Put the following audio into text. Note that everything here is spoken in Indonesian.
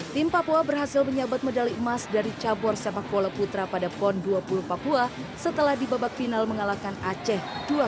tim papua berhasil menyabat medali emas dari cabur sepak bola putra pada pon dua puluh papua setelah di babak final mengalahkan aceh dua belas